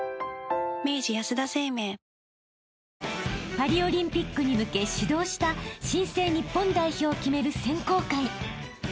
［パリオリンピックに向け始動した新生日本代表を決める選考会］